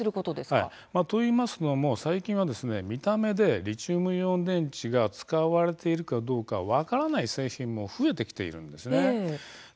といいますのも、最近は見た目でリチウムイオン電池が使われているかどうか分からない製品も増えてきているんです。